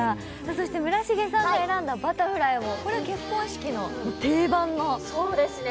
そして村重さんが選んだ「Ｂｕｔｔｅｒｆｌｙ」もこれは結婚式のもう定番のそうですね